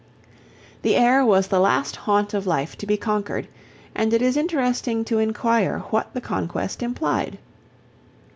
The air was the last haunt of life to be conquered, and it is interesting to inquire what the conquest implied.